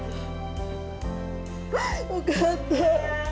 受かった。